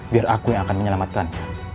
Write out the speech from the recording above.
biar aku yang akan menyelamatkan